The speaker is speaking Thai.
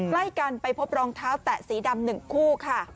ใกล้กันไปพบรองเท้าแตะสีดำ๑คู่ค่ะ